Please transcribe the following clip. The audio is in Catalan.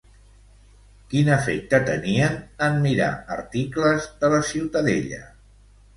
Quin efecte tenien en mirar articles de la Ciutadella?